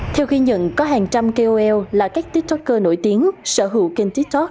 theo ghi nhận có hàng trăm kol là các tiktoker nổi tiếng sở hữu kênh tiktok